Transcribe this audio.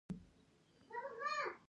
ما گومان کاوه چې هغه بيده دى.